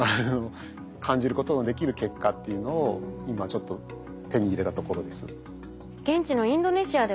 感じることのできる結果っていうのを今ちょっと手に入れたところです。